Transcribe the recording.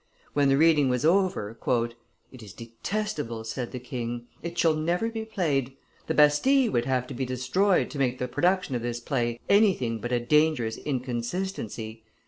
When the reading was over: "It is detestable," said the king; "it shall never be played; the Bastille would have to be destroyed to make the production of this play anything but a dangerous inconsistency.